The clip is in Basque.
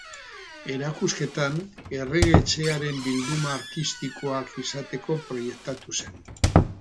Erakusketan, Errege Etxearen Bilduma Artistikoak izateko proiektatu zen.